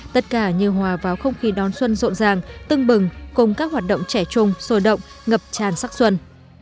tất cả như hòa vào không khí đón xuân rộn ràng tưng bừng cùng các hoạt động trẻ trung sôi động ngập tràn sắc xuân